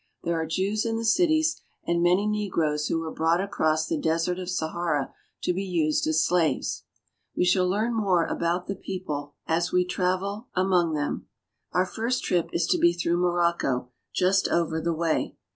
There are Jews in the cities, and many negroes who were brought across the Desert of Sahara to be used as slaves. We shall learn more about the people as we travel amon^ i6 AFRICA them. Our first trip is to be through Morocco, just over the way.